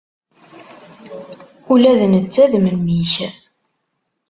Ula d netta d memmi-k.